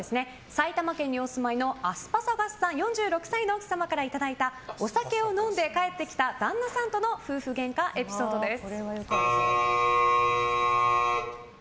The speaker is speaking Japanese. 埼玉県にお住いのアスパサガスさん４６歳の奥様からいただいたお酒を飲んで帰ってきた旦那さんとの夫婦ゲンカエピソードです。